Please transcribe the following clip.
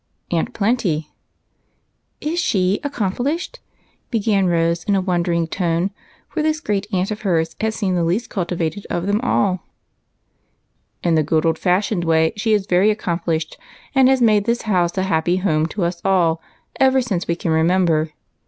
" Aunt Plenty." " Is she accomplished ?" began Rose in a wondering tone, for this great aunt of hers had seemed the least rnltivated of them all. 182 EIGHT COUSINS. " In tlie good old fashioned way she is very accom plished, and has made this house a happy home to us all, ever since we can remember.